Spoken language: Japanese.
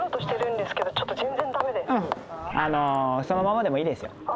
そのままでもいいですよ。